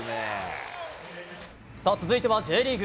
続いては、Ｊリーグ。